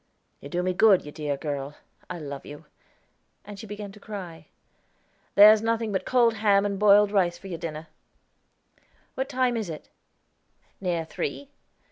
"You do me good, you dear girl; I love you"; and she began to cry. "There's nothing but cold ham and boiled rice for your dinner." "What time is it?" "Near three."